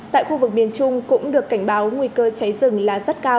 tại khu vực miền trung cũng được cảnh báo nguy cơ cháy rừng là rất cao